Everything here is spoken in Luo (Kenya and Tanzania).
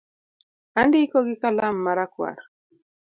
Andiko gi kalam ma rakwar